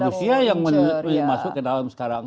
rusia yang masuk ke dalam sekarang